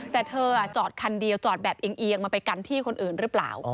แต่เธอจอดคันเดียวจอดแบบเอียงมันไปกันที่คนอื่นหรือเปล่า